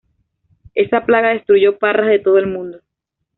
Esa plaga destruyó parras de todo el mundo.